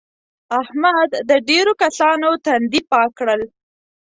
احمد د ډېرو کسانو تندي پاک کړل.